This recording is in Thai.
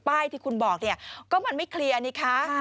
ที่คุณบอกเนี่ยก็มันไม่เคลียร์นี่คะ